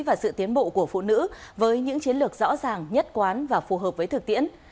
và sự tiến bộ của phụ nữ với những chiến lược rõ ràng nhất quán và phù hợp với thực tiễn